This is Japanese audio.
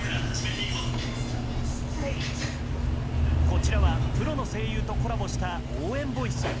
こちらはプロの声優とコラボした応援ボイス。